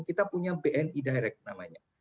kita punya bni direct namanya